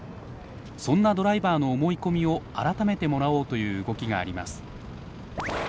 そんなドライバーの思い込みを改めてもらおうという動きがあります。